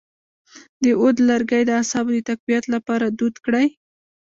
د عود لرګی د اعصابو د تقویت لپاره دود کړئ